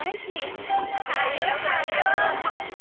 帰ろう帰ろう。